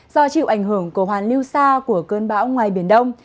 do chịu ảnh hưởng của hoàn lưu xa của cơn bão ngoài biển đông